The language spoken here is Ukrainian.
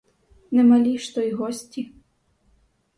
Не малі ж то й гості!